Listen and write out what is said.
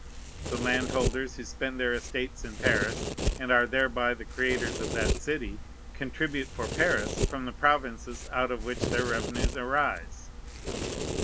The landholders who spend their estates in Paris, and are thereby the creators of that city, contribute for Paris from the provinces out of which their revenues arise.